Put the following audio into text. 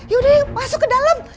yaudah masuk ke dalam